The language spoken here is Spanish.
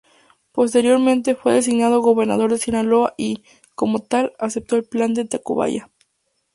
Posteriormente, fue designado gobernador de Sinaloa y, como tal, aceptó el Plan de Tacubaya.